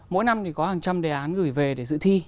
mỗi năm thì có hàng trăm đề án gửi về để dự thi